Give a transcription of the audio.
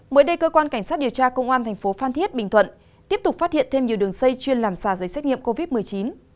mới đây cơ quan cảnh sát điều tra công an thành phố phan thiết bình thuận tiếp tục phát hiện thêm nhiều đường xây chuyên làm xà giấy xét nghiệm covid một mươi chín